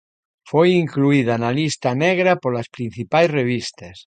Foi incluída na lista negra polas principais revistas.